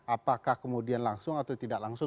apakah kemudian langsung atau tidak langsung